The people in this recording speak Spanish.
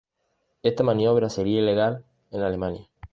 Esta maniobra sería ilegal en Alemania.